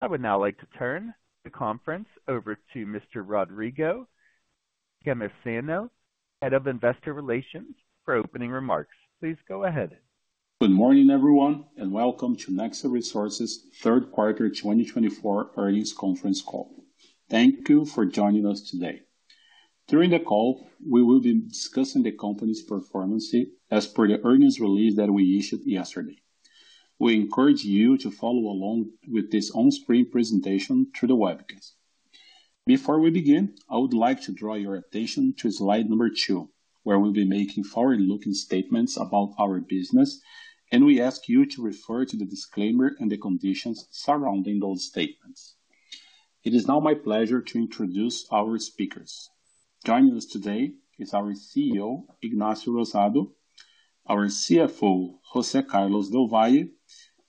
I would now like to turn the conference over to Mr. Rodrigo Cammarosano, Head of Investor Relations, for opening remarks. Please go ahead. Good morning, everyone, and welcome to Nexa Resources' Q3 2024 Earnings Conference Call. Thank you for joining us today. During the call, we will be discussing the company's performance as per the earnings release that we issued yesterday. We encourage you to follow along with this on-screen presentation through the webcast. Before we begin, I would like to draw your attention to slide number two, where we'll be making forward-looking statements about our business, and we ask you to refer to the disclaimer and the conditions surrounding those statements. It is now my pleasure to introduce our speakers. Joining us today is our CEO, Ignacio Rosado, our CFO, José Carlos del Valle,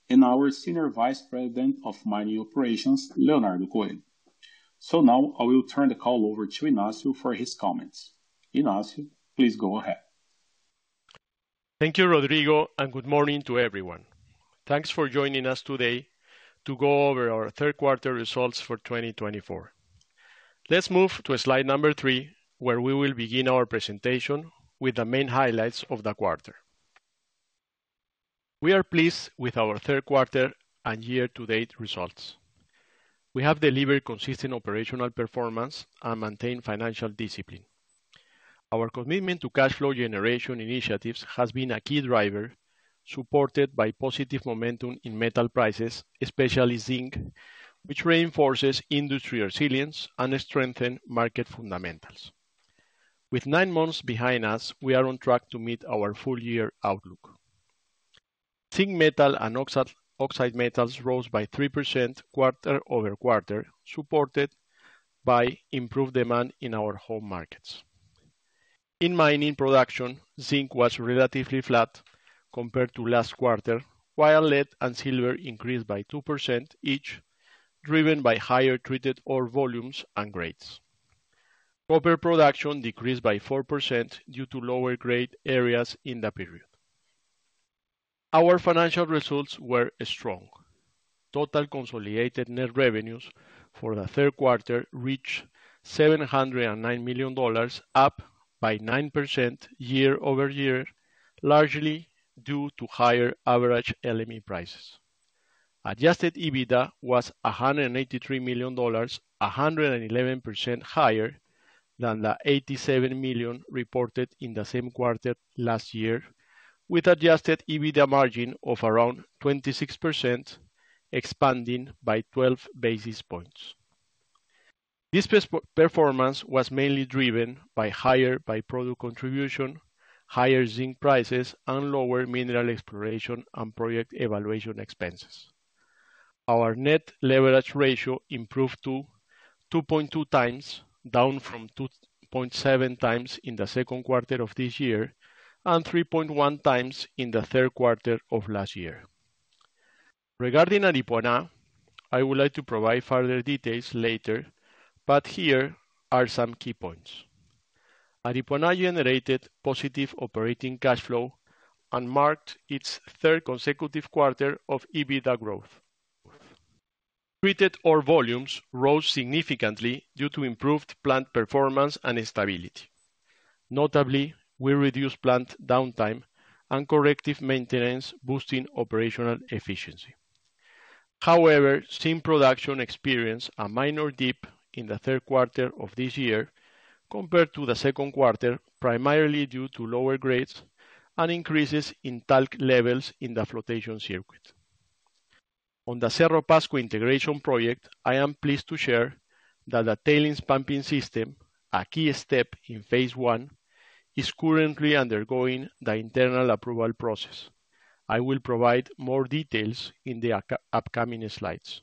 and our Senior Vice President of Mining Operations, Leonardo Godoy. So now I will turn the call over to Ignacio for his comments. Ignacio, please go ahead. Thank you, Rodrigo, and good morning to everyone. Thanks for joining us today to go over our Q3 Results for 2024. Let's move to slide number three, where we will begin our presentation with the main highlights of the quarter. We are pleased with our Q3 and year-to-date results. We have delivered consistent operational performance and maintained financial discipline. Our commitment to cash flow generation initiatives has been a key driver, supported by positive momentum in metal prices, especially zinc, which reinforces industry resilience and strengthens market fundamentals. With nine months behind us, we are on track to meet our full-year outlook. Zinc metal and oxide metals rose by 3% quarter over quarter, supported by improved demand in our home markets. In mining production, zinc was relatively flat compared to last quarter, while lead and silver increased by 2% each, driven by higher treated ore volumes and grades. Copper production decreased by 4% due to lower-grade areas in the period. Our financial results were strong. Total consolidated net revenues for the Q3 reached $709 million, up by 9% year-over-year, largely due to higher average LME prices. Adjusted EBITDA was $183 million, 111% higher than the $87 million reported in the same quarter last year, with EBITDA margin of around 26%, expanding by 12 basis points. This performance was mainly driven by higher by-product contribution, higher zinc prices, and lower mineral exploration and project evaluation expenses. Our net leverage ratio improved to 2.2 times, down from 2.7 times in the Q2 of this year and 3.1 times in the Q3 of last year. Regarding Aripuanã, I would like to provide further details later, but here are some key points. Aripuanã generated positive operating cash flow and marked its third consecutive quarter of EBITDA growth. Treated ore volumes rose significantly due to improved plant performance and stability. Notably, we reduced plant downtime and corrective maintenance, boosting operational efficiency. However, zinc production experienced a minor dip in the Q3 of this year compared to the Q2, primarily due to lower grades and increases in talc levels in the flotation circuit. On the Cerro de Pasco Integration Project, I am pleased to share that the tailings pumping system, a key step in phase I, is currently undergoing the internal approval process. I will provide more details in the upcoming slides.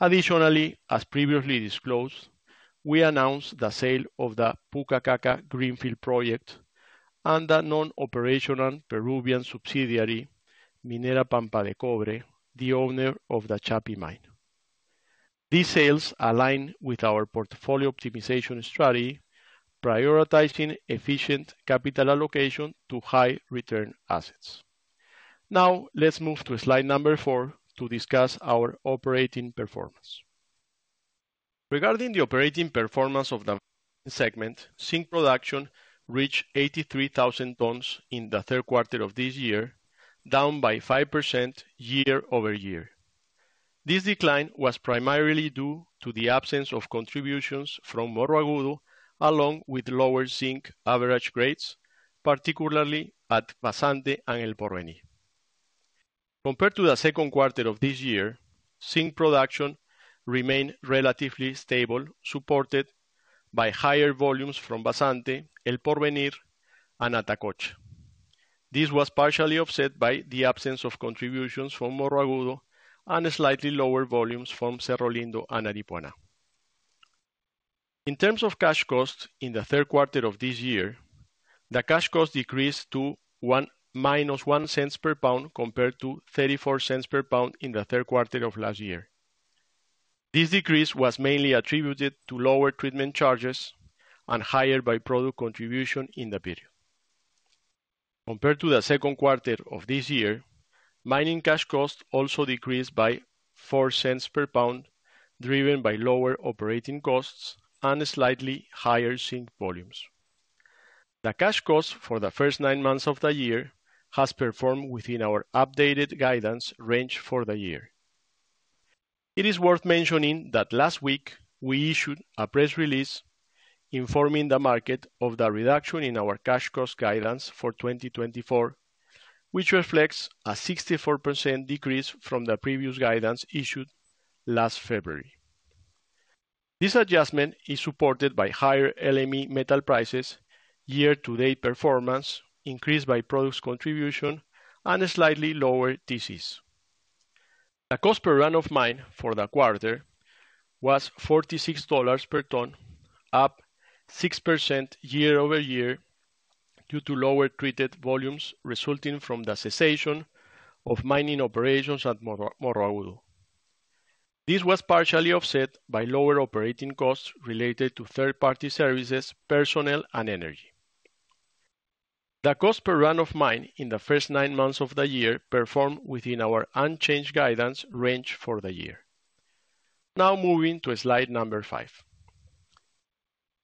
Additionally, as previously disclosed, we announced the sale of the Pukaqaqa greenfield project and the non-operational Peruvian subsidiary, Minera Pampa de Cobre, the owner of the Chappi Mine. These sales align with our portfolio optimization strategy, prioritizing efficient capital allocation to high-return assets. Now, let's move to slide number four to discuss our operating performance. Regarding the operating performance of the mining segment, zinc production reached 83,000 tons in the Q3 of this year, down by 5% year-over-year. This decline was primarily due to the absence of contributions from Morro Agudo, along with lower zinc average grades, particularly at Vazante and El Porvenir. Compared to the Q2 of this year, zinc production remained relatively stable, supported by higher volumes from Vazante, El Porvenir, and Atacocha. This was partially offset by the absence of contributions from Morro Agudo and slightly lower volumes from Cerro Lindo and Aripuanã. In terms of cash cost in the Q3 of this year, the cash cost decreased to -$0.01 per pound compared to $0.34 per pound in the Q3 of last year. This decrease was mainly attributed to lower treatment charges and higher by-product contribution in the period. Compared to the Q2 of this year, mining cash cost also decreased by $0.04 per pound, driven by lower operating costs and slightly higher zinc volumes. The cash cost for the first nine months of the year has performed within our updated guidance range for the year. It is worth mentioning that last week we issued a press release informing the market of the reduction in our cash cost guidance for 2024, which reflects a 64% decrease from the previous guidance issued last February. This adjustment is supported by higher LME metal prices, year-to-date performance increased by by-product contribution, and slightly lower TCs. The cost per run of mine for the quarter was $46 per ton, up 6% year-over-year due to lower treated volumes resulting from the cessation of mining operations at Morro Agudo. This was partially offset by lower operating costs related to third-party services, personnel, and energy. The cost per run of mine in the first nine months of the year performed within our unchanged guidance range for the year. Now moving to slide number five.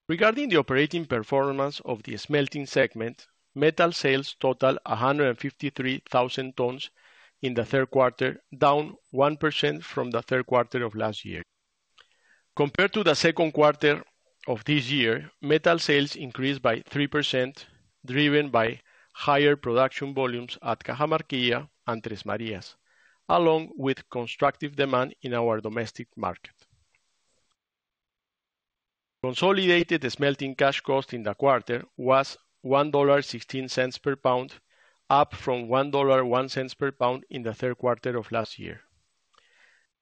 Regarding the operating performance of the smelting segment, metal sales total 153,000 tons in the Q3, down 1% from the Q3 of last year. Compared to the Q2 of this year, metal sales increased by 3%, driven by higher production volumes at Cajamarquilla and Tres Marías, along with constructive demand in our domestic market. Consolidated smelting cash cost in the quarter was $1.16 per pound, up from $1.01 per pound in the Q3 of last year.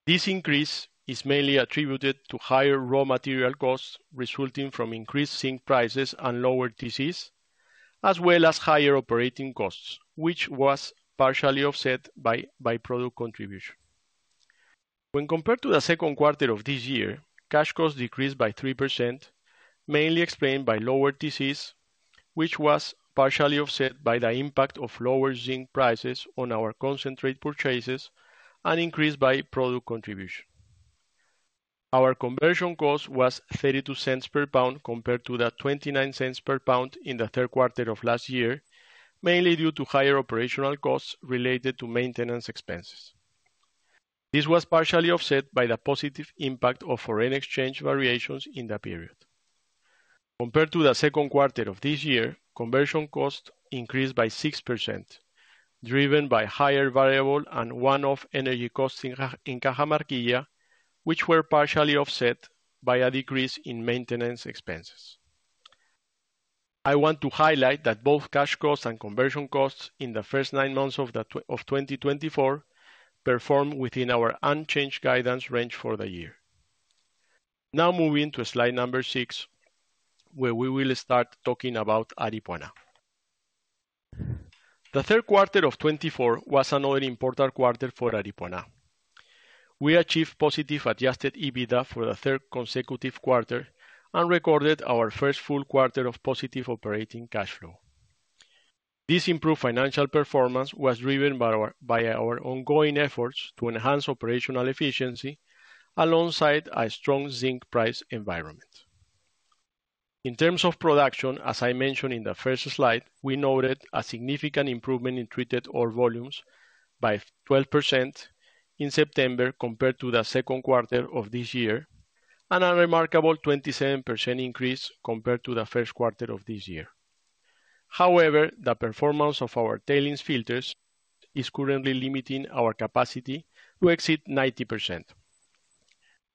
This increase is mainly attributed to higher raw material costs resulting from increased zinc prices and lower TCs, as well as higher operating costs, which was partially offset by by-product contribution. When compared to the Q2 of this year, cash cost decreased by 3%, mainly explained by lower TCs, which was partially offset by the impact of lower zinc prices on our concentrate purchases and increased by-product contribution. Our conversion cost was $0.32 per pound compared to the $0.29 per pound in the Q3 of last year, mainly due to higher operational costs related to maintenance expenses. This was partially offset by the positive impact of foreign exchange variations in the period. Compared to the Q2 of this year, conversion cost increased by 6%, driven by higher variable and one-off energy costs in Cajamarquilla, which were partially offset by a decrease in maintenance expenses. I want to highlight that both cash costs and conversion costs in the first nine months of 2024 performed within our unchanged guidance range for the year. Now moving to slide number six, where we will start talking about Aripuanã. The Q3 of 2024 was another important quarter for Aripuanã. We achieved positive Adjusted EBITDA for the third consecutive quarter and recorded our first full quarter of positive operating cash flow. This improved financial performance was driven by our ongoing efforts to enhance operational efficiency alongside a strong zinc price environment. In terms of production, as I mentioned in the first slide, we noted a significant improvement in treated ore volumes by 12% in September compared to the Q2 of this year, and a remarkable 27% increase compared to the Q1 of this year. However, the performance of our tailings filters is currently limiting our capacity to exceed 90%.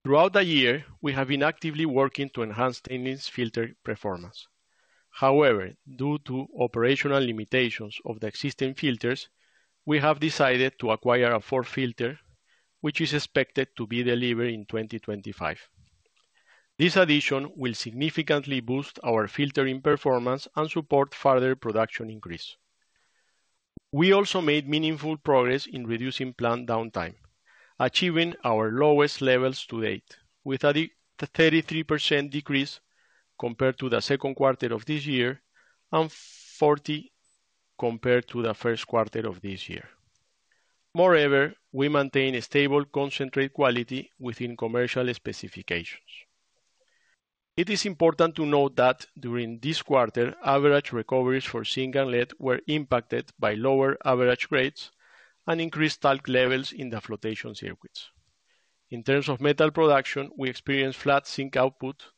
Throughout the year, we have been actively working to enhance tailings filter performance. However, due to operational limitations of the existing filters, we have decided to acquire a fourth filter, which is expected to be delivered in 2025. This addition will significantly boost our filtering performance and support further production increase. We also made meaningful progress in reducing plant downtime, achieving our lowest levels to date, with a 33% decrease compared to the Q2 of this year and 40% compared to the Q1 of this year. Moreover, we maintain a stable concentrate quality within commercial specifications. It is important to note that during this quarter, average recoveries for zinc and lead were impacted by lower average grades and increased talc levels in the flotation circuits. In terms of metal production, we experienced flat zinc output,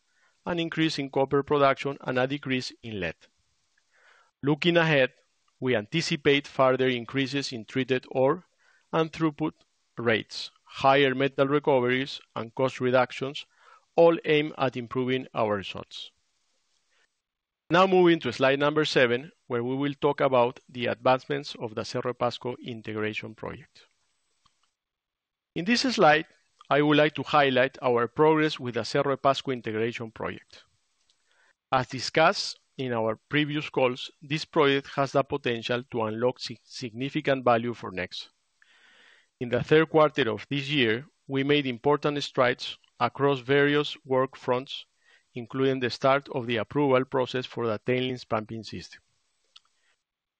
an increase in copper production, and a decrease in lead. Looking ahead, we anticipate further increases in treated ore and throughput rates, higher metal recoveries, and cost reductions, all aim at improving our results. Now moving to slide number seven, where we will talk about the advancements of the Cerro de Pasco Integration Project. In this slide, I would like to highlight our progress with the Cerro de Pasco Integration Project. As discussed in our previous calls, this project has the potential to unlock sig```nificant value for NEX. In the Q3 of this year, we made important strides across various work fronts, including the start of the approval process for the tailings pumping system.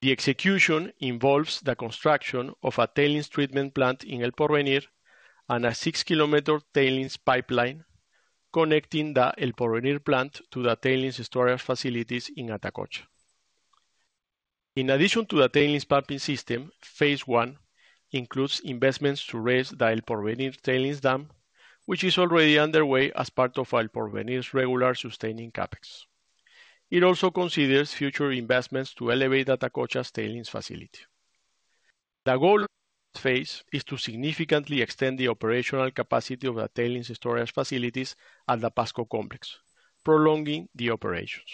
The execution involves the construction of a tailings treatment plant in El Porvenir and a 6-kilometer tailings pipeline connecting the El Porvenir plant to the tailings storage facilities in Atacocha. In addition to the tailings pumping system, phase I includes investments to raise the El Porvenir tailings dam, which is already underway as part of El Porvenir's regular sustaining Capex. It also considers future investments to elevate the Atacocha's tailings facility. The goal of this phase is to significantly extend the operational capacity of the tailings storage facilities at the Pasco complex, prolonging the operations.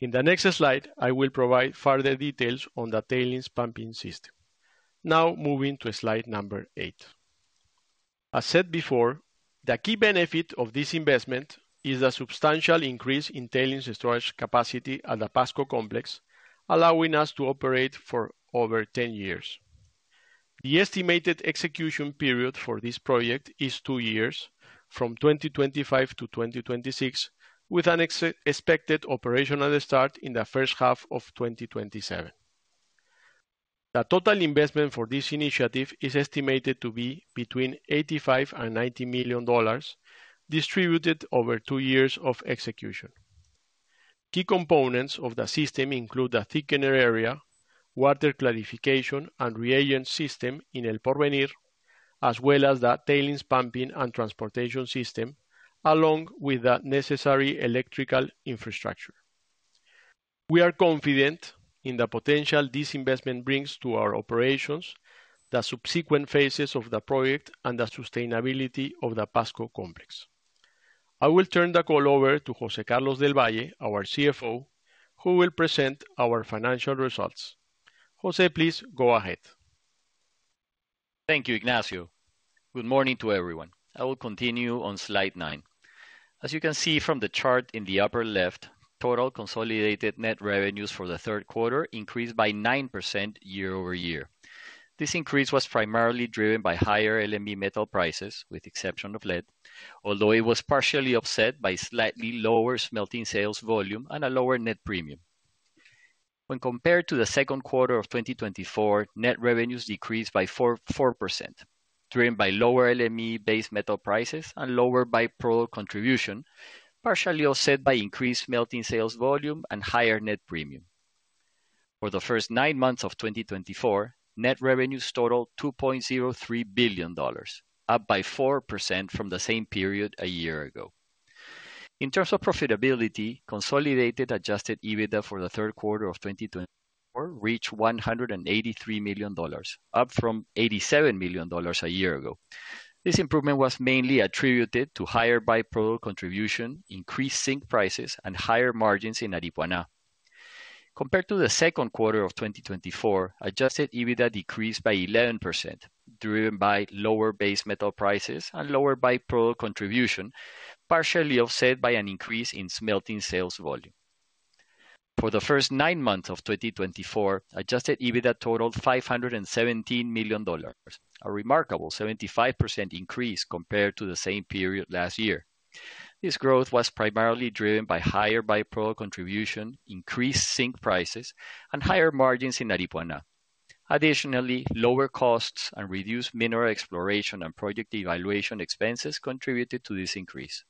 In the next slide, I will provide further details on the tailings pumping system. Now moving to slide number eight. As said before, the key benefit of this investment is the substantial increase in tailings storage capacity at the Pasco complex, allowing us to operate for over 10 years. The estimated execution period for this project is two years, from 2025 to 2026, with an expected operational start in the first half of 2027. The total investment for this initiative is estimated to be between $85 million-$90 million, distributed over two years of execution. Key components of the system include the thickener area, water clarification, and reagent system in El Porvenir, as well as the tailings pumping and transportation system, along with the necessary electrical infrastructure. We are confident in the potential this investment brings to our operations, the subsequent phases of the project, and the sustainability of the Pasco complex. I will turn the call over to José Carlos del Valle, our CFO, who will present our financial results. José, please go ahead. Thank you, Ignacio. Good morning to everyone. I will continue on slide nine. As you can see from the chart in the upper left, total consolidated net revenues for the Q3 increased by 9% year-over-year. This increase was primarily driven by higher LME metal prices, with the exception of lead, although it was partially offset by slightly lower smelting sales volume and a lower net premium. When compared to the Q2 of 2024, net revenues decreased by 4%, driven by lower LME-based metal prices and lower by-product contribution, partially offset by increased smelting sales volume and higher net premium. For the first nine months of 2024, net revenues totaled $2.03 billion, up by 4% from the same period a year ago. In terms of profitability, consolidated Adjusted EBITDA for the Q3 of 2024 reached $183 million, up from $87 million a year ago. This improvement was mainly attributed to higher by-product contribution, increased zinc prices, and higher margins in Aripuanã. Compared to the Q2 of 2024, Adjusted EBITDA decreased by 11%, driven by lower base metal prices and lower by-product contribution, partially offset by an increase in smelting sales volume. For the first nine months of 2024, Adjusted EBITDA totaled $517 million, a remarkable 75% increase compared to the same period last year. This growth was primarily driven by higher by-product contribution, increased zinc prices, and higher margins in Aripuanã. Additionally, lower costs and reduced mineral exploration and project evaluation expenses contributed to this increase.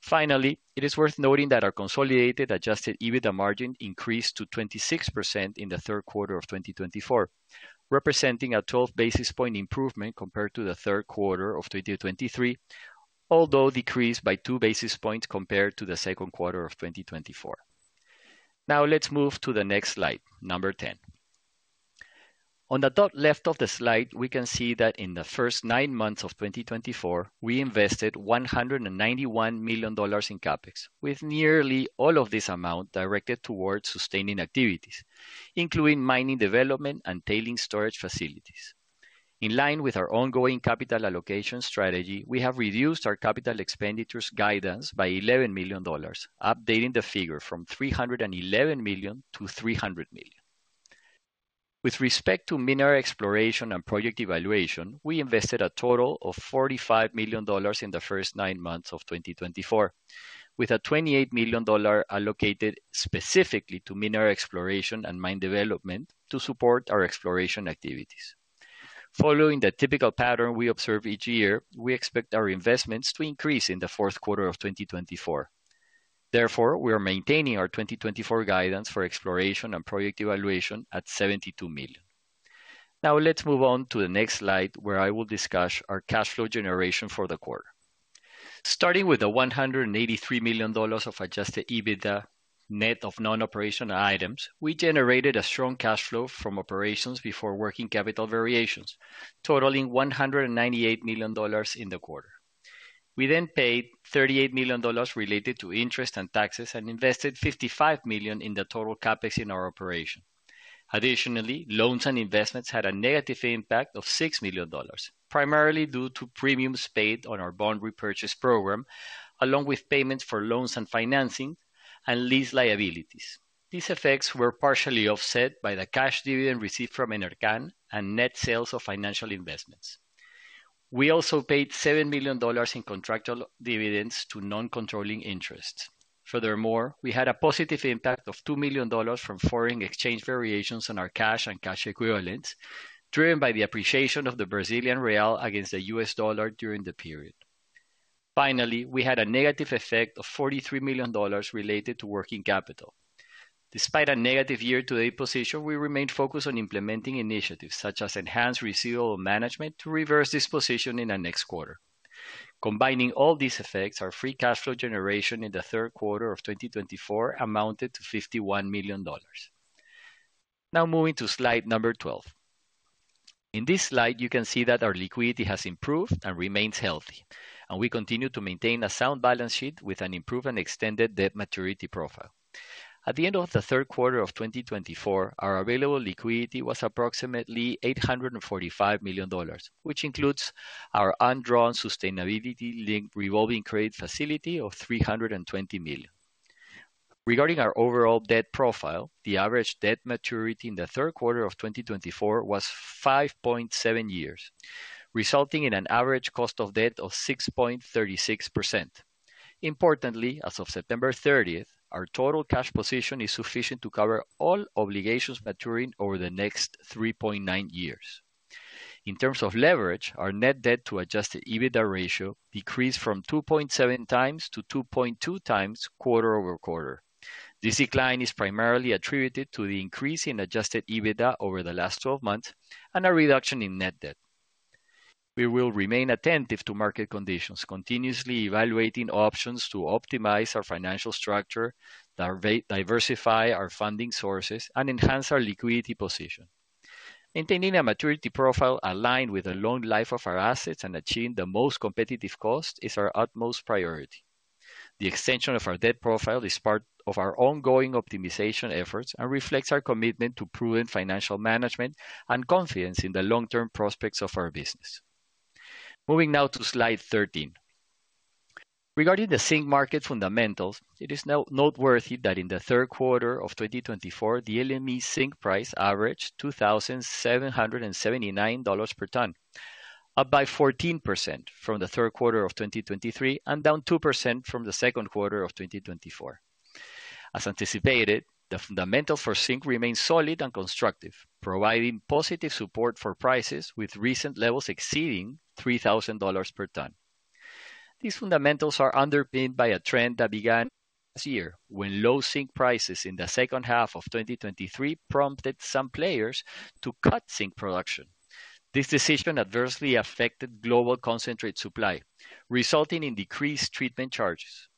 Finally, it is worth noting that our consolidated Adjusted EBITDA margin increased to 26% in the Q3 of 2024, representing a 12 basis points improvement compared to the Q3 of 2023, although decreased by 2 basis points compared to the Q2 of 2024. Now let's move to the next slide, number 10. On the top left of the slide, we can see that in the first nine months of 2024, we invested $191 million in Capex, with nearly all of this amount directed towards sustaining activities, including mining development and tailings storage facilities. In line with our ongoing capital allocation strategy, we have reduced our capital expenditures guidance by $11 million, updating the figure from $311 million to $300 million. With respect to mineral exploration and project evaluation, we invested a total of $45 million in the first nine months of 2024, with a $28 million allocated specifically to mineral exploration and mine development to support our exploration activities. Following the typical pattern we observe each year, we expect our investments to increase in the fourth quarter of 2024. Therefore, we are maintaining our 2024 guidance for exploration and project evaluation at $72 million. Now let's move on to the next slide, where I will discuss our cash flow generation for the quarter. Starting with the $183 million of Adjusted EBITDA net of non-operational items, we generated a strong cash flow from operations before working capital variations, totaling $198 million in the quarter. We then paid $38 million related to interest and taxes and invested $55 million in the total CapEx in our operation. Additionally, loans and investments had a negative impact of $6 million, primarily due to premiums paid on our bond repurchase program, along with payments for loans and financing and lease liabilities. These effects were partially offset by the cash dividend received from Enercan and net sales of financial investments. We also paid $7 million in contractual dividends to non-controlling interests. Furthermore, we had a positive impact of $2 million from foreign exchange variations on our cash and cash equivalents, driven by the appreciation of the Brazilian real against the U.S. dollar during the period. Finally, we had a negative effect of $43 million related to working capital. Despite a negative year-to-date position, we remained focused on implementing initiatives such as enhanced residual management to reverse this position in the next quarter. Combining all these effects, our free cash flow generation in the Q3 of 2024 amounted to $51 million. Now moving to slide number 12. In this slide, you can see that our liquidity has improved and remains healthy, and we continue to maintain a sound balance sheet with an improved and extended debt maturity profile. At the end of the Q3 of 2024, our available liquidity was approximately $845 million, which includes our undrawn sustainability revolving credit facility of $320 million. Regarding our overall debt profile, the average debt maturity in the Q3 of 2024 was 5.7 years, resulting in an average cost of debt of 6.36%. Importantly, as of September 30, our total cash position is sufficient to cover all obligations maturing over the next 3.9 years. In terms of leverage, our net debt-to-Adjusted EBITDA ratio decreased from 2.7 times to 2.2 times quarter over quarter. This decline is primarily attributed to the increase in Adjusted EBITDA over the last 12 months and a reduction in net debt. We will remain attentive to market conditions, continuously evaluating options to optimize our financial structure, diversify our funding sources, and enhance our liquidity position. Maintaining a maturity profile aligned with the long life of our assets and achieving the most competitive cost is our utmost priority. The extension of our debt profile is part of our ongoing optimization efforts and reflects our commitment to prudent financial management and confidence in the long-term prospects of our business. Moving now to slide 13. Regarding the zinc market fundamentals, it is noteworthy that in the Q3 of 2024, the LME zinc price averaged $2,779 per ton, up by 14% from the Q3 of 2023 and down 2% from the Q2 of 2024. As anticipated, the fundamentals for zinc remain solid and constructive, providing positive support for prices with recent levels exceeding $3,000 per ton. These fundamentals are underpinned by a trend that began last year when low zinc prices in the second half of 2023 prompted some players to cut zinc production. This decision adversely affected global concentrate supply, resulting in decreased treatment charges.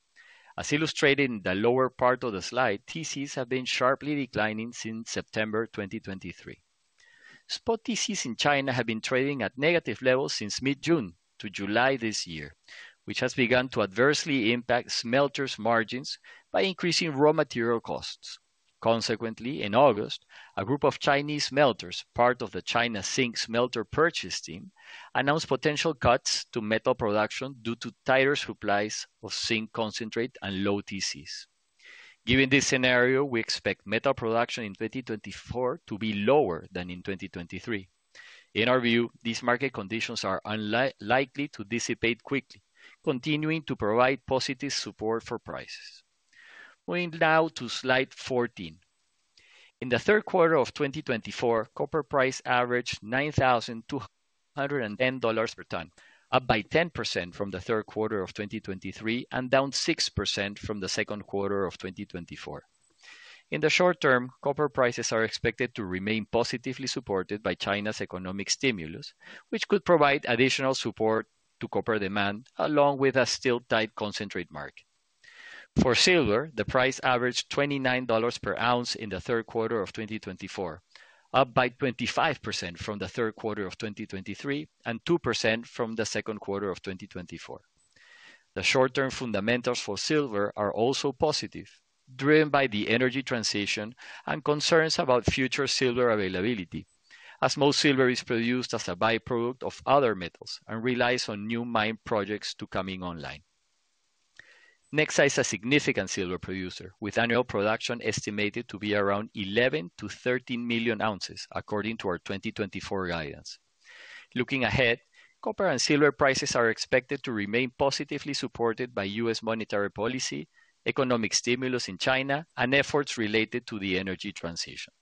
As illustrated in the lower part of the slide, TCs have been sharply declining since September 2023. Spot TCs in China have been trading at negative levels since mid-June to July this year, which has begun to adversely impact smelters' margins by increasing raw material costs. Consequently, in August, a group of Chinese smelters, part of the China Zinc Smelters Purchase Team, announced potential cuts to metal production due to tighter supplies of zinc concentrate and low TCs. Given this scenario, we expect metal production in 2024 to be lower than in 2023. In our view, these market conditions are unlikely to dissipate quickly, continuing to provide positive support for prices. Moving now to slide 14. In the Q3 of 2024, copper price averaged $9,210 per ton, up by 10% from the Q3 of 2023 and down 6% from the Q2 of 2024. In the short term, copper prices are expected to remain positively supported by China's economic stimulus, which could provide additional support to copper demand, along with a still tight concentrate market. For silver, the price averaged $29 per ounce in the Q3 of 2024, up by 25% from the Q3 of 2023 and 2% from the Q2 of 2024. The short-term fundamentals for silver are also positive, driven by the energy transition and concerns about future silver availability, as most silver is produced as a by-product of other metals and relies on new mine projects to come online. Nexa is a significant silver producer, with annual production estimated to be around 11-13 million ounces, according to our 2024 guidance. Looking ahead, copper and silver prices are expected to remain positively supported by U.S. monetary policy, economic stimulus in China, and efforts related to the energy transition.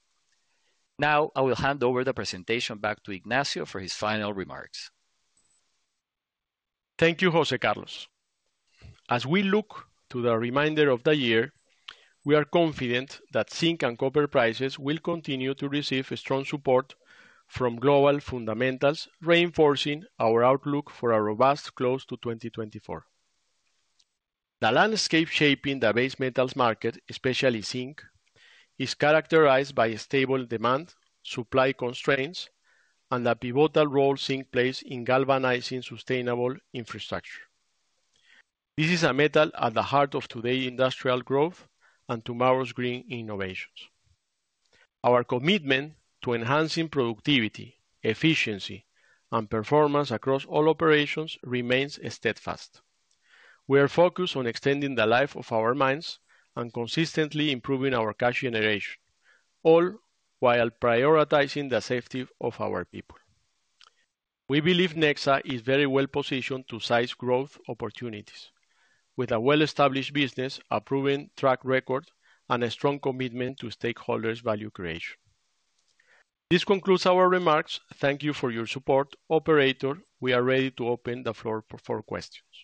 Now, I will hand over the presentation back to Ignacio for his final remarks. Thank you, José Carlos. As we look to the remainder of the year, we are confident that zinc and copper prices will continue to receive strong support from global fundamentals, reinforcing our outlook for a robust close to 2024. The landscape shaping the base metals market, especially zinc, is characterized by stable demand, supply constraints, and the pivotal role zinc plays in galvanizing sustainable infrastructure. This is a metal at the heart of today's industrial growth and tomorrow's green innovations. Our commitment to enhancing productivity, efficiency, and performance across all operations remains steadfast. We are focused on extending the life of our mines and consistently improving our cash generation, all while prioritizing the safety of our people. We believe Nexa is very well positioned to seize growth opportunities, with a well-established business, a proven track record, and a strong commitment to stakeholders' value creation. This concludes our remarks. Thank you for your support. Operator, we are ready to open the floor for questions.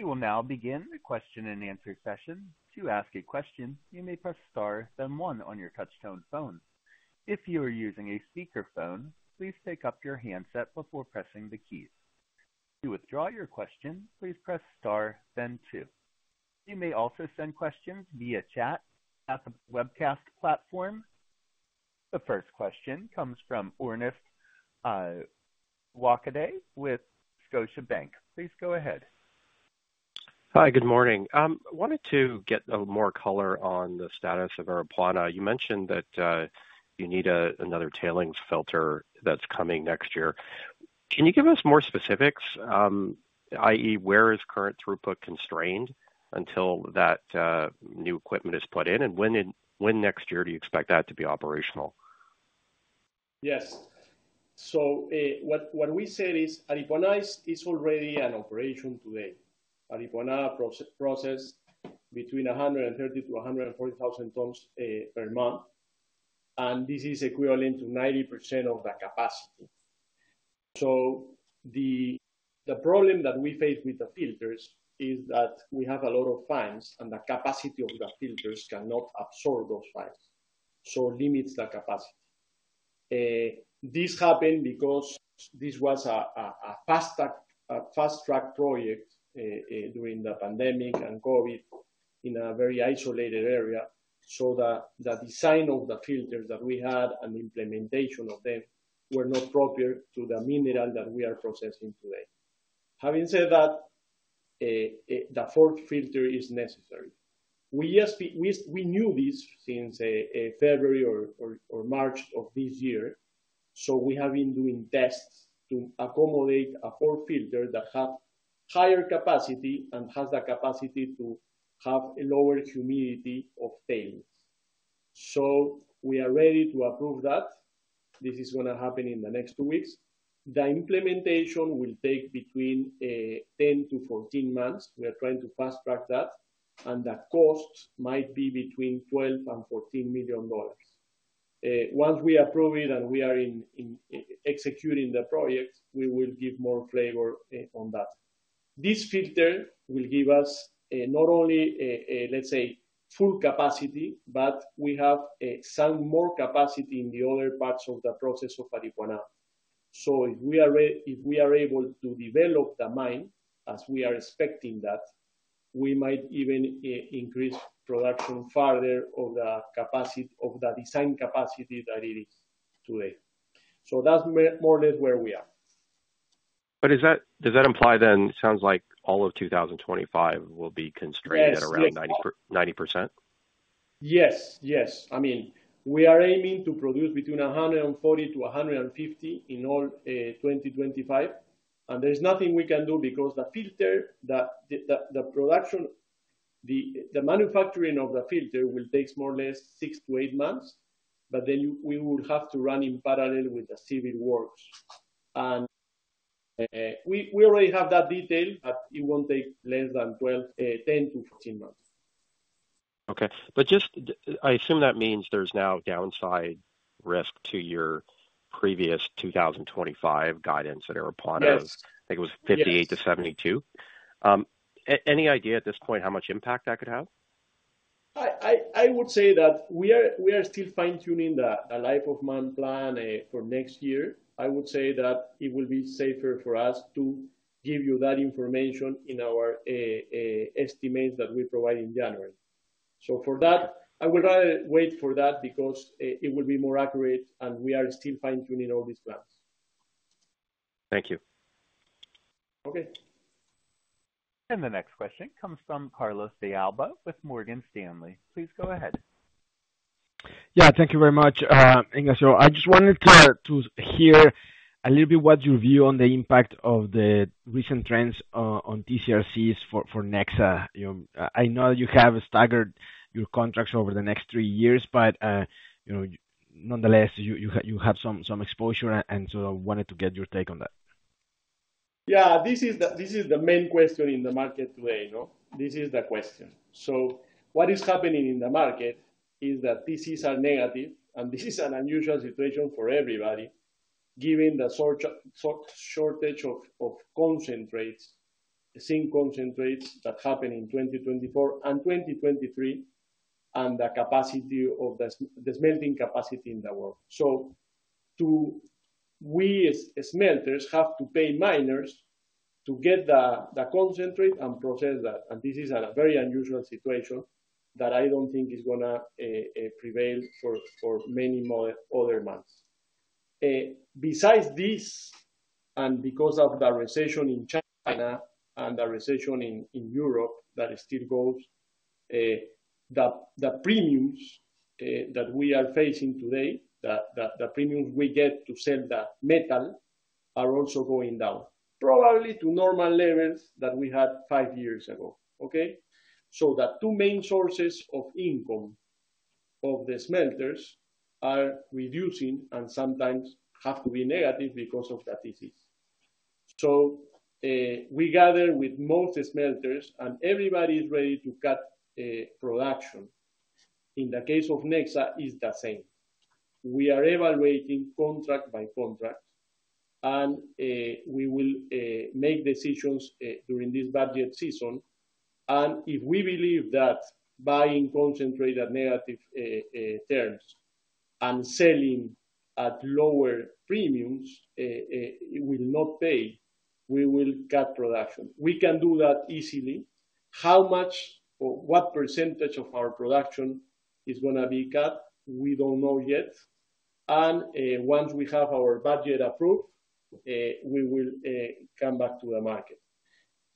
We will now begin the question and answer session. To ask a question, you may press star, then one on your touch-tone phone. If you are using a speakerphone, please take up your handset before pressing the keys. To withdraw your question, please press star, then two. You may also send questions via chat at the webcast platform. The first question comes from Orest Wowkodaw with Scotiabank. Please go ahead. Hi, good morning. I wanted to get a little more color on the status of our Aripuanã. You mentioned that you need another tailings filter that's coming next year. Can you give us more specifics, i.e., where is current throughput constrained until that new equipment is put in, and when next year do you expect that to be operational? Yes. So what we said is Aripuanã is already in operation today. Aripuanã processes between 130,000-140,000 tons per month, and this is equivalent to 90% of the capacity. So the problem that we face with the filters is that we have a lot of fines, and the capacity of the filters cannot absorb those fines, so it limits the capacity. This happened because this was a fast-track project during the pandemic and COVID in a very isolated area, so that the design of the filters that we had and the implementation of them were not proper to the mineral that we are processing today. Having said that, the fourth filter is necessary. We knew this since February or March of this year, so we have been doing tests to accommodate a fourth filter that has higher capacity and has the capacity to have lower humidity of tailings. We are ready to approve that. This is going to happen in the next two weeks. The implementation will take between 10-14 months. We are trying to fast-track that, and the cost might be between $12 million-$14 million. Once we approve it and we are executing the project, we will give more flavor on that. This filter will give us not only, let's say, full capacity, but we have some more capacity in the other parts of the process of Aripuanã. So if we are able to develop the mine, as we are expecting that, we might even increase production further of the design capacity that it is today. So that's more or less where we are. But does that imply then it sounds like all of 2025 will be constrained at around 90%? Yes, yes. I mean, we are aiming to produce between 140 to 150 in all 2025, and there is nothing we can do because the manufacturing of the filter will take more or less six to eight months, but then we will have to run in parallel with the civil works. And we already have that detailed, but it won't take less than 10 to 14 months. Okay. But I assume that means there's now downside risk to your previous 2025 guidance at Aripuanã. I think it was 58 to 72. Any idea at this point how much impact that could have? I would say that we are still fine-tuning the life of mine plan for next year. I would say that it will be safer for us to give you that information in our estimates that we provide in January. So for that, I would rather wait for that because it will be more accurate, and we are still fine-tuning all these plans. Thank you. Okay. And the next question comes from Carlos de Alba with Morgan Stanley. Please go ahead. Yeah, thank you very much, Ignacio. I just wanted to hear a little bit what your view on the impact of the recent trends on TC/RCs for Nexa. I know that you have staggered your contracts over the next three years, but nonetheless, you have some exposure, and so I wanted to get your take on that. Yeah, this is the main question in the market today, no? This is the question. What is happening in the market is that TCs are negative, and this is an unusual situation for everybody, given the shortage of concentrates, zinc concentrates that happened in 2024 and 2023, and the smelting capacity in the world. We, as smelters, have to pay miners to get the concentrate and process that. This is a very unusual situation that I don't think is going to prevail for many other months. Besides this, and because of the recession in China and the recession in Europe that still goes, the premiums that we are facing today, the premiums we get to sell the metal, are also going down, probably to normal levels that we had five years ago, okay? The two main sources of income of the smelters are reducing and sometimes have to be negative because of the TCs. So we gather with most smelters, and everybody is ready to cut production. In the case of Nexa, it's the same. We are evaluating contract by contract, and we will make decisions during this budget season. And if we believe that buying concentrate at negative terms and selling at lower premiums will not pay, we will cut production. We can do that easily. How much or what percentage of our production is going to be cut, we don't know yet. And once we have our budget approved, we will come back to the market.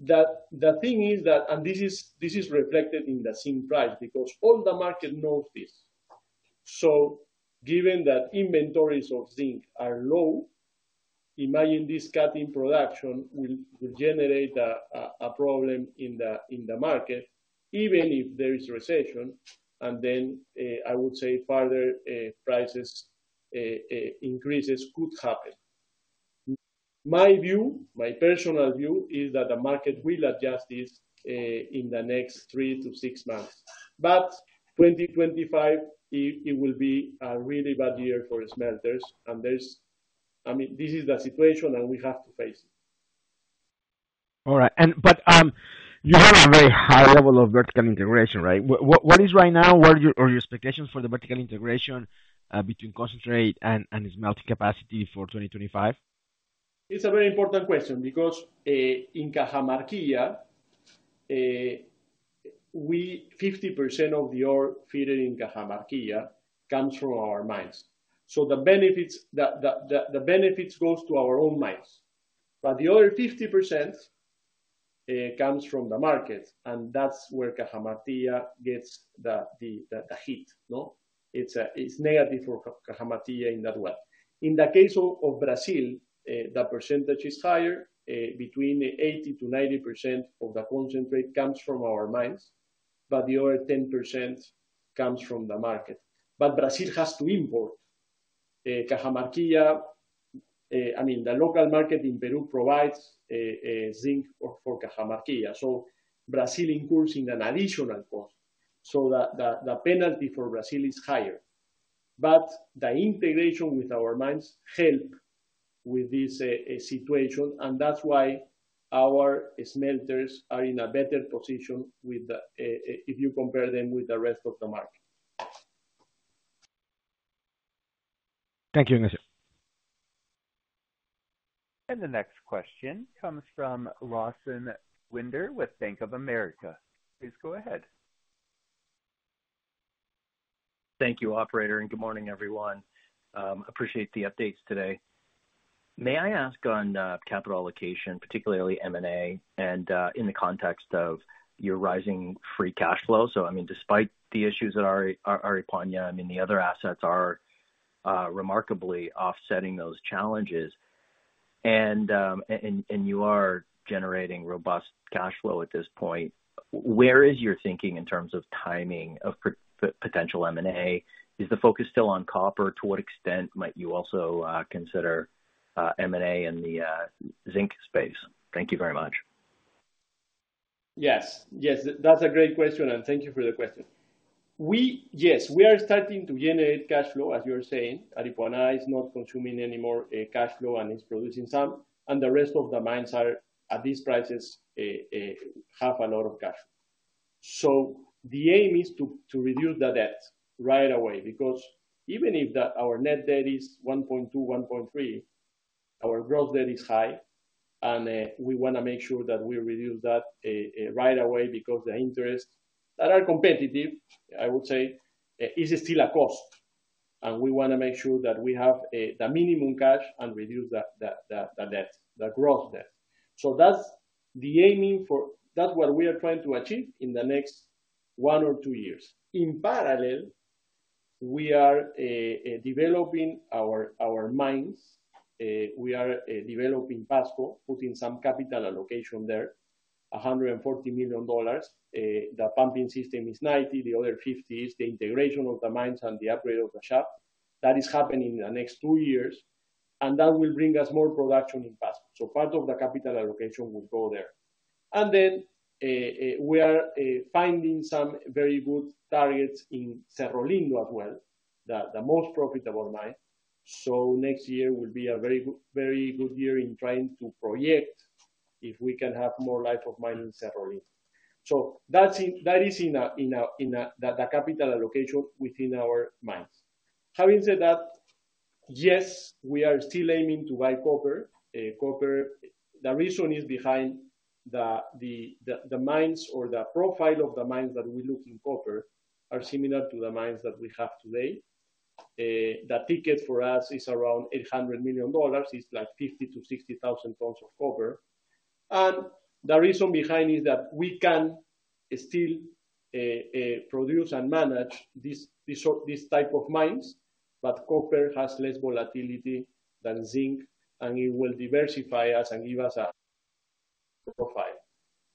The thing is that, and this is reflected in the zinc price because all the market knows this. So given that inventories of zinc are low, imagine this cutting production will generate a problem in the market, even if there is recession, and then I would say further price increases could happen. My view, my personal view, is that the market will adjust this in the next three to six months. But 2025, it will be a really bad year for smelters, and I mean, this is the situation, and we have to face it. All right. But you have a very high level of vertical integration, right? What is right now, or your expectations for the vertical integration between concentrate and smelting capacity for 2025? It's a very important question because in Cajamarquilla, 50% of the ore fed in Cajamarquilla comes from our mines. So the benefits go to our own mines. But the other 50% comes from the market, and that's where Cajamarquilla gets the heat. It's negative for Cajamarquilla in that way. In the case of Brazil, the percentage is higher. Between 80% to 90% of the concentrate comes from our mines, but the other 10% comes from the market. But Brazil has to import. Cajamarquilla, I mean, the local market in Peru provides zinc for Cajamarquilla. So Brazil incurs an additional cost. So the penalty for Brazil is higher. But the integration with our mines helps with this situation, and that's why our smelters are in a better position if you compare them with the rest of the market. Thank you, Ignacio. And the next question comes from Lawson Winder with Bank of America. Please go ahead. Thank you, Operator, and good morning, everyone. Appreciate the updates today. May I ask on capital allocation, particularly M&A, and in the context of your rising free cash flow? So, I mean, despite the issues at Aripuanã, I mean, the other assets are remarkably offsetting those challenges, and you are generating robust cash flow at this point. Where is your thinking in terms of timing of potential M&A? Is the focus still on copper? To what extent might you also consider M&A in the zinc space? Thank you very much. Yes, yes, that's a great question, and thank you for the question. Yes, we are starting to generate cash flow, as you're saying. Aripuanã is not consuming any more cash flow and is producing some, and the rest of the mines at these prices have a lot of cash flow. So the aim is to reduce the debt right away because even if our net debt is 1.2, 1.3, our gross debt is high, and we want to make sure that we reduce that right away because the interests that are competitive, I would say, is still a cost. And we want to make sure that we have the minimum cash and reduce the debt, the gross debt. So that's the aiming for that's what we are trying to achieve in the next one or two years. In parallel, we are developing our mines. We are developing Pasco, putting some capital allocation there, $140 million. The pumping system is $90 million, the other $50 million is the integration of the mines and the upgrade of the shaft. That is happening in the next two years, and that will bring us more production in Pasco. So part of the capital allocation will go there. And then we are finding some very good targets in Cerro Lindo as well, the most profitable mine. So next year will be a very good year in trying to project if we can have more life of mine in Cerro Lindo. So that is in the capital allocation within our mines. Having said that, yes, we are still aiming to buy copper. The reason is behind the mines or the profile of the mines that we look in copper are similar to the mines that we have today. The ticket for us is around $800 million. It's like 50,000-60,000 tons of copper. And the reason behind is that we can still produce and manage this type of mines, but copper has less volatility than zinc, and it will diversify us and give us a profile.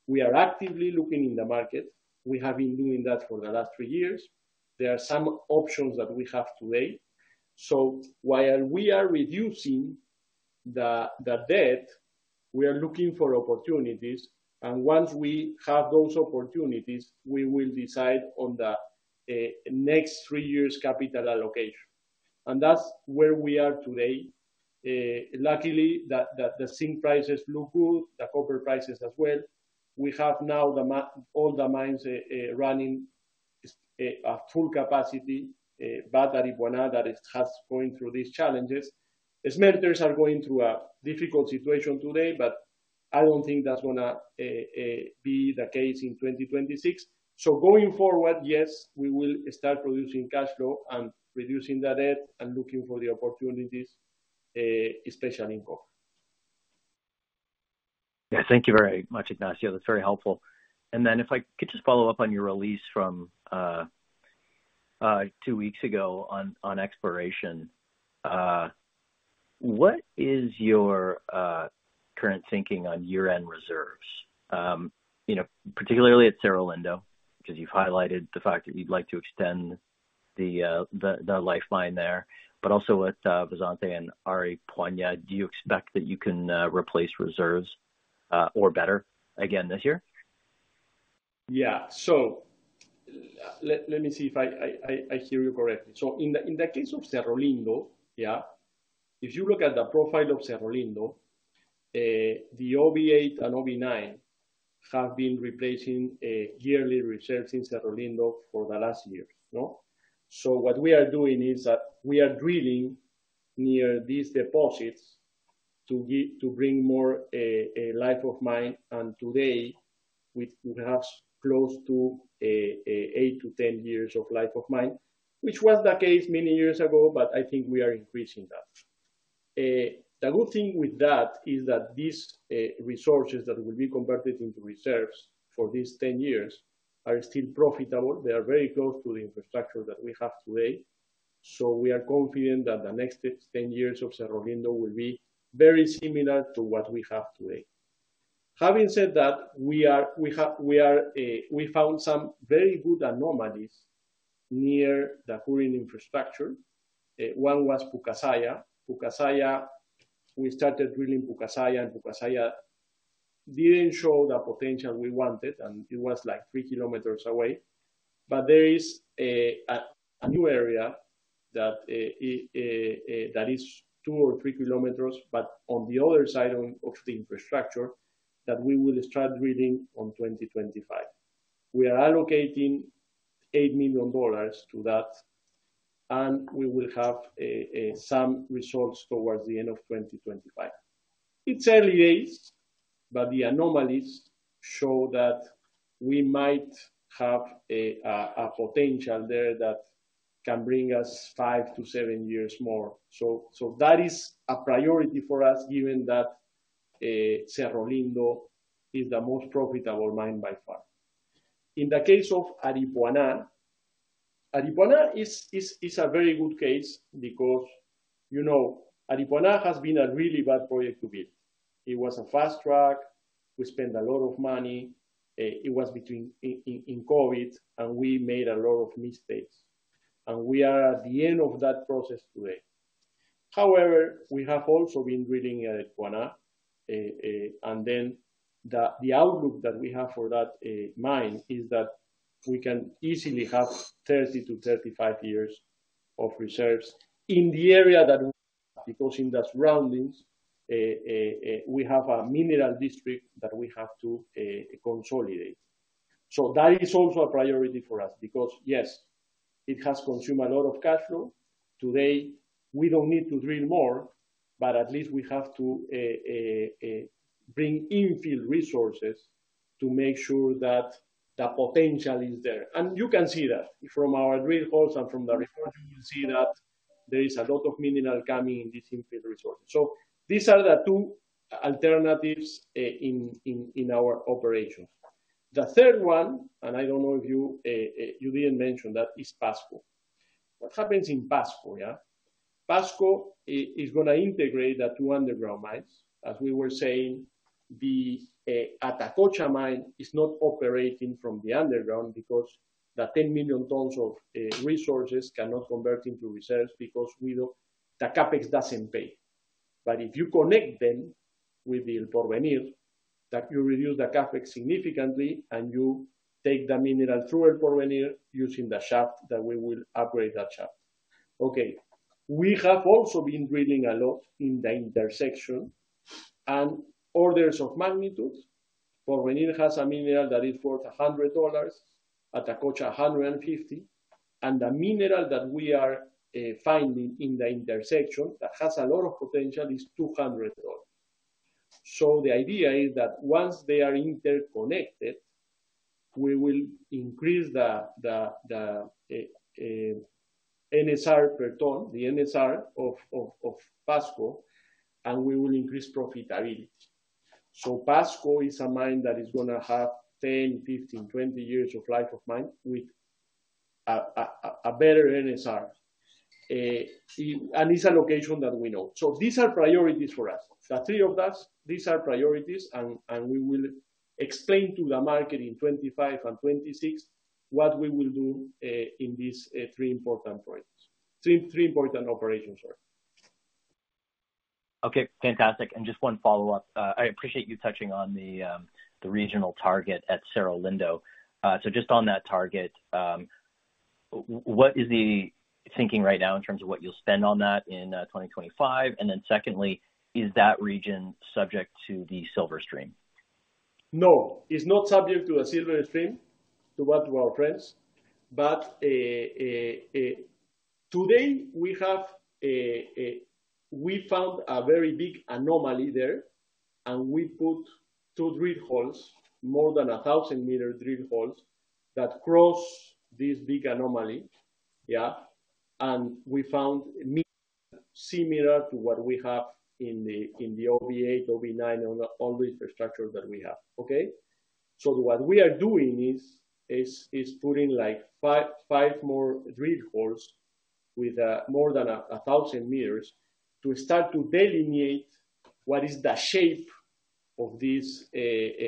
We are actively looking in the market. We have been doing that for the last three years. There are some options that we have today. So while we are reducing the debt, we are looking for opportunities, and once we have those opportunities, we will decide on the next three years' capital allocation. And that's where we are today. Luckily, the zinc prices look good, the copper prices as well. We have now all the mines running at full capacity, but Aripuanã, that is going through these challenges. Smelters are going through a difficult situation today, but I don't think that's going to be the case in 2026. So going forward, yes, we will start producing cash flow and reducing the debt and looking for the opportunities, especially in copper. Yeah, thank you very much, Ignacio. That's very helpful. And then if I could just follow up on your release from two weeks ago on exploration, what is your current thinking on year-end reserves, particularly at Cerro Lindo? Because you've highlighted the fact that you'd like to extend the lifeline there. But also with Vazante and Aripuanã, do you expect that you can replace reserves or better again this year? Yeah. So let me see if I hear you correctly. So in the case of Cerro Lindo, yeah, if you look at the profile of Cerro Lindo, the OB-8 and OB-9 have been replacing yearly reserves in Cerro Lindo for the last years, no? So what we are doing is that we are drilling near these deposits to bring more life of mine. Today, we have close to eight to 10 years of life of mine, which was the case many years ago, but I think we are increasing that. The good thing with that is that these resources that will be converted into reserves for these 10 years are still profitable. They are very close to the infrastructure that we have today. We are confident that the next 10 years of Cerro Lindo will be very similar to what we have today. Having said that, we found some very good anomalies near the existing infrastructure. One was Pucasalla. We started drilling Pucasalla, and Pucasalla didn't show the potential we wanted, and it was like three kilometers away. There is a new area that is two or three kilometers, but on the other side of the infrastructure that we will start drilling in 2025. We are allocating $8 million to that, and we will have some results towards the end of 2025. It's early days, but the anomalies show that we might have a potential there that can bring us five to seven years more. So that is a priority for us, given that Cerro Lindo is the most profitable mine by far. In the case of Aripuanã, Aripuanã, it's a very good case because Aripuanã has been a really bad project to build. It was a fast track. We spent a lot of money. It was in COVID, and we made a lot of mistakes. We are at the end of that process today. However, we have also been drilling Aripuanã, and then the outlook that we have for that mine is that we can easily have 30-35 years of reserves in the area that we have because in the surroundings, we have a mineral district that we have to consolidate. So that is also a priority for us because, yes, it has consumed a lot of cash flow. Today, we don't need to drill more, but at least we have to bring infill resources to make sure that the potential is there. And you can see that from our drill holes and from the report. You will see that there is a lot of mineral coming in these infill resources. So these are the two alternatives in our operation. The third one, and I don't know if you didn't mention that, is Pasco. What happens in Pasco, yeah? Pasco is going to integrate the two underground mines. As we were saying, the Atacocha mine is not operating from the underground because the 10 million tons of resources cannot convert into reserves because the Capex doesn't pay. But if you connect them with the El Porvenir, you reduce the Capex significantly, and you take the mineral through El Porvenir using the shaft that we will upgrade that shaft. Okay. We have also been drilling a lot in the intersection and orders of magnitude. Porvenir has a mineral that is worth $100, Atacocha $150, and the mineral that we are finding in the intersection that has a lot of potential is $200. So the idea is that once they are interconnected, we will increase the NSR per ton, the NSR of Pasco, and we will increase profitability. So Pasco is a mine that is going to have 10, 15, 20 years of life of mine with a better NSR. And it's a location that we know. So these are priorities for us. The three of us, these are priorities, and we will explain to the market in 2025 and 2026 what we will do in these three important projects, three important operations, sorry. Okay. Fantastic. And just one follow-up. I appreciate you touching on the regional target at Cerro Lindo. So just on that target, what is the thinking right now in terms of what you'll spend on that in 2025? And then secondly, is that region subject to the Silver Stream? No, it's not subject to the Silver Stream, to what to our friends. But today, we found a very big anomaly there, and we put two drill holes, more than 1,000-meter drill holes that cross this big anomaly, yeah? And we found similar to what we have in the OB-8, OB-9, and all the infrastructure that we have, okay? So what we are doing is putting like five more drill holes with more than 1,000 meters to start to delineate what is the shape of this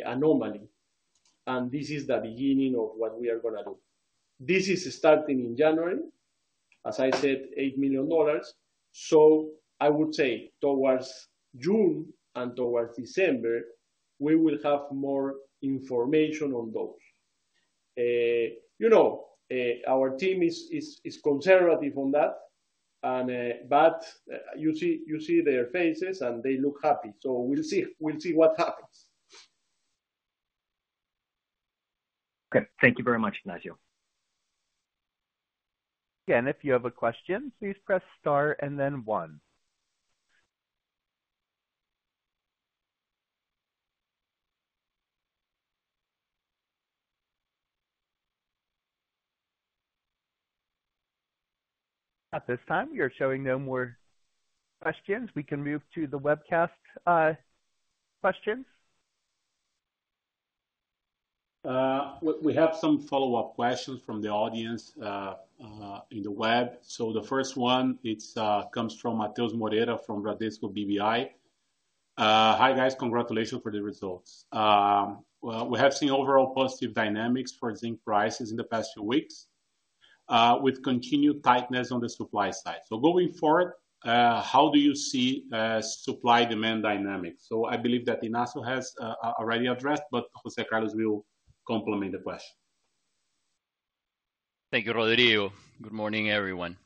anomaly. And this is the beginning of what we are going to do. This is starting in January, as I said, $8 million. So I would say towards June and towards December, we will have more information on those. Our team is conservative on that, but you see their faces, and they look happy. So we'll see what happens. Okay. Thank you very much, Ignacio. Again, if you have a question, please press star and then one. At this time, you're showing no more questions. We can move to the webcast questions. We have some follow-up questions from the audience in the web. So the first one comes from Matheus Moreira from Bradesco BBI. Hi, guys. Congratulations for the results. We have seen overall positive dynamics for zinc prices in the past few weeks with continued tightness on the supply side. So going forward, how do you see supply-demand dynamics? So I believe that Ignacio has already addressed, but José Carlos will complement the question. Thank you, Rodrigo. Good morning, everyone.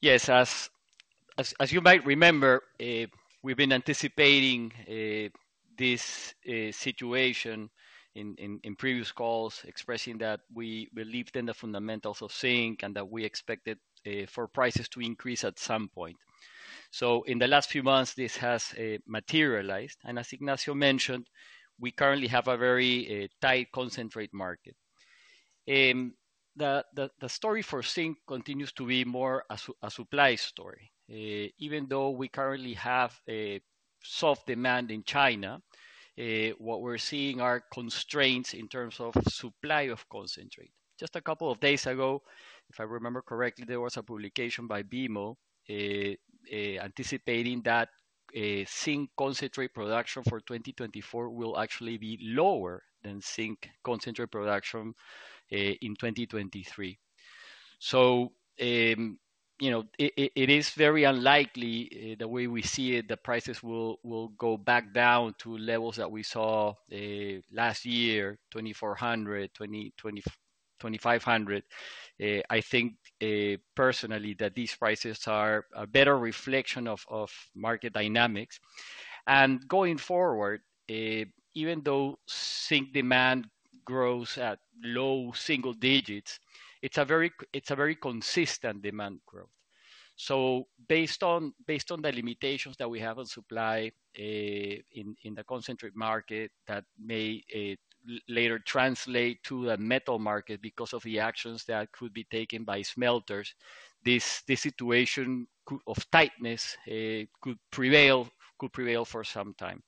Yes, as you might remember, we've been anticipating this situation in previous calls, expressing that we believed in the fundamentals of zinc and that we expected for prices to increase at some point. So in the last few months, this has materialized. And as Ignacio mentioned, we currently have a very tight concentrate market. The story for zinc continues to be more a supply story. Even though we currently have soft demand in China, what we're seeing are constraints in terms of supply of concentrate. Just a couple of days ago, if I remember correctly, there was a publication by BMO anticipating that zinc concentrate production for 2024 will actually be lower than zinc concentrate production in 2023. So it is very unlikely the way we see it, the prices will go back down to levels that we saw last year, 2,400, 2,500. I think personally that these prices are a better reflection of market dynamics, and going forward, even though zinc demand grows at low single digits, it's a very consistent demand growth. So based on the limitations that we have on supply in the concentrate market that may later translate to the metal market because of the actions that could be taken by smelters, this situation of tightness could prevail for some time.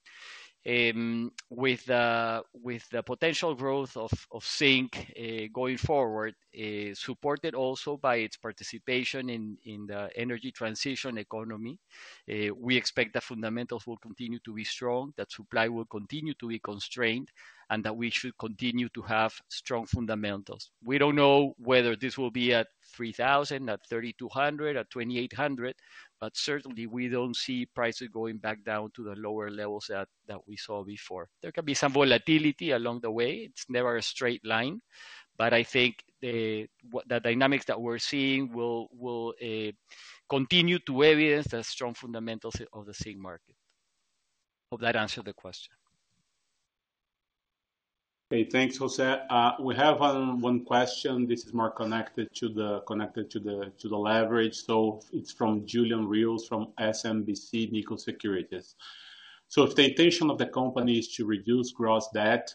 With the potential growth of zinc going forward, supported also by its participation in the energy transition economy, we expect the fundamentals will continue to be strong, that supply will continue to be constrained, and that we should continue to have strong fundamentals. We don't know whether this will be at 3,000, at 3,200, at 2,800, but certainly we don't see prices going back down to the lower levels that we saw before. There can be some volatility along the way. It's never a straight line. But I think the dynamics that we're seeing will continue to evidence the strong fundamentals of the zinc market. Hope that answered the question. Okay. Thanks, José. We have one question. This is more connected to the leverage. So it's from Julian Rios from SMBC Nikko Securities. So if the intention of the company is to reduce gross debt,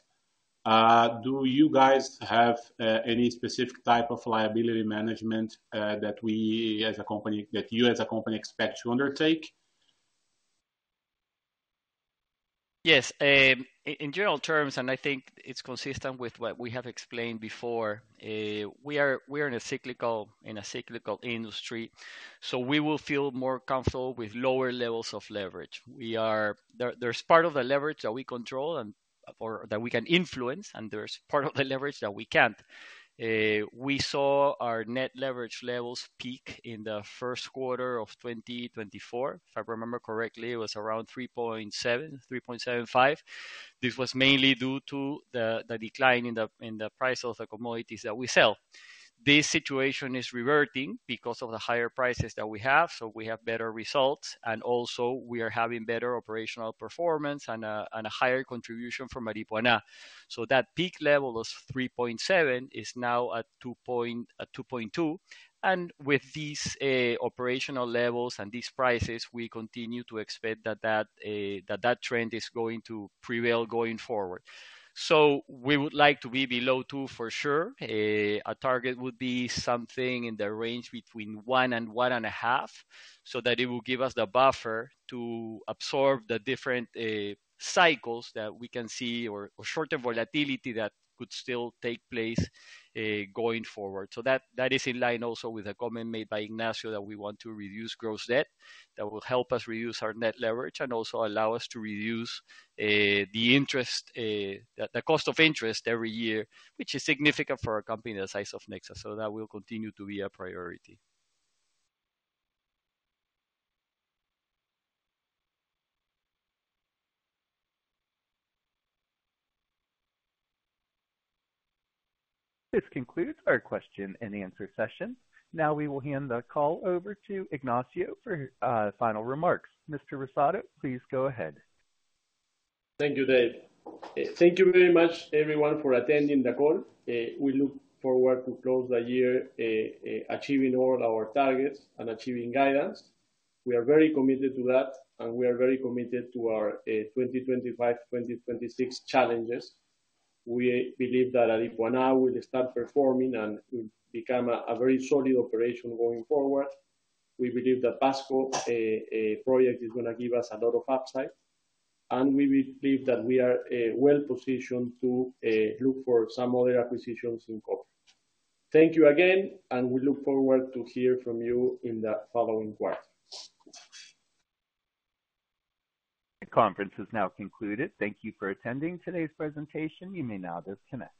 do you guys have any specific type of liability management that we as a company, that you as a company expect to undertake? Yes. In general terms, and I think it's consistent with what we have explained before, we are in a cyclical industry. So we will feel more comfortable with lower levels of leverage. There's part of the leverage that we control and that we can influence, and there's part of the leverage that we can't. We saw our net leverage levels peak in the Q1 of 2024. If I remember correctly, it was around 3.7, 3.75. This was mainly due to the decline in the price of the commodities that we sell. This situation is reverting because of the higher prices that we have. So we have better results. And also, we are having better operational performance and a higher contribution from Aripuanã. So that peak level of 3.7 is now at 2.2. And with these operational levels and these prices, we continue to expect that that trend is going to prevail going forward. So we would like to be below 2 for sure. A target would be something in the range between 1 and 1.5 so that it will give us the buffer to absorb the different cycles that we can see or shorter volatility that could still take place going forward. So that is in line also with a comment made by Ignacio that we want to reduce gross debt that will help us reduce our net leverage and also allow us to reduce the cost of interest every year, which is significant for a company the size of Nexa. So that will continue to be a priority. This concludes our question and answer session. Now we will hand the call over to Ignacio for final remarks. Mr. Rosado, please go ahead. Thank you, Dave. Thank you very much, everyone, for attending the call. We look forward to close the year achieving all our targets and achieving guidance. We are very committed to that, and we are very committed to our 2025, 2026 challenges. We believe that Aripuanã will start performing and will become a very solid operation going forward. We believe that Pasco project is going to give us a lot of upside. We believe that we are well-positioned to look for some other acquisitions in copper. Thank you again, and we look forward to hearing from you in the following quarter. The conference has now concluded. Thank you for attending today's presentation. You may now disconnect.